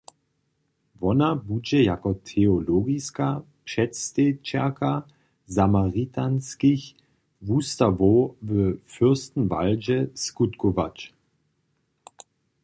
Wona budźe jako teologiska předstejićerka Samaritanskich wustawow w Fürstenwaldźe skutkować.